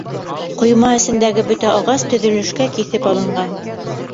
Ҡойма эсендәге бөтә ағас төҙөлөшкә киҫеп алынған.